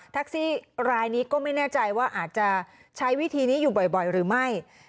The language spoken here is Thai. ซี่รายนี้ก็ไม่แน่ใจว่าอาจจะใช้วิธีนี้อยู่บ่อยหรือไม่